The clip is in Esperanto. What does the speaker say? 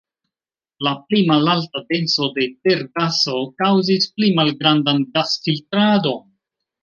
La pli malalta denso de tergaso kaŭzis pli malgrandan gas-filtradon.